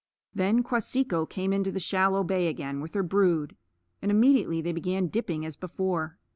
Then Kwaseekho came into the shallow bay again with her brood, and immediately they began dipping as before.